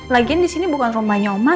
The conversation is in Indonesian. lagian di sini bukan rumahnya om acan